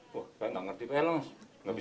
wah saya gak ngerti pnm